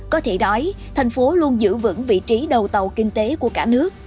có thể nói thành phố luôn giữ vững vị trí đầu tàu kinh tế của cả nước